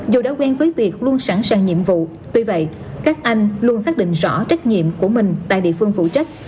dù đã quen với việc luôn sẵn sàng nhiệm vụ tuy vậy các anh luôn xác định rõ trách nhiệm của mình tại địa phương phụ trách